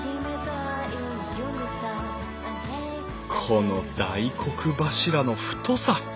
この大黒柱の太さ。